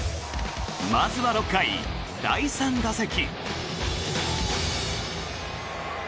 まずは６回、第３打席。